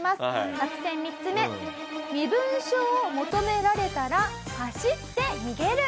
作戦３つ目「身分証を求められたら走って逃げる」。